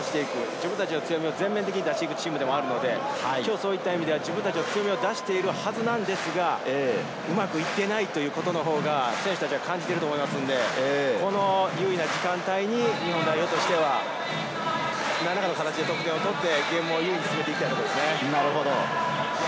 自分たちの強みを全面的に出していくチームなので、そのはずなんですが、うまくいっていないということの方が選手たちは感じていると思いますので、優位な時間帯に日本代表としては何らかの形で得点を取ってゲームを優位に進めていってほしいですね。